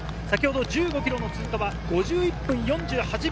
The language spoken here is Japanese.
１５ｋｍの通過は５１分４８秒。